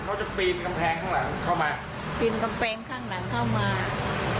เขาจะปีนกำแพงข้างหลังเข้ามาปีนกำแพงข้างหลังเข้ามา